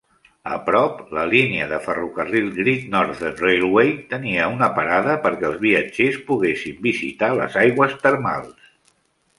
A prop, la línia de ferrocarril Great Northern Railway tenia una parada perquè els viatgers poguessin visitar les aigües termals.